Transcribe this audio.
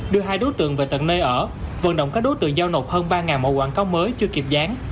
đưa hai đối tượng về tận nơi ở vận động các đối tượng giao nộp hơn ba mẫu quảng cáo mới chưa kịp dán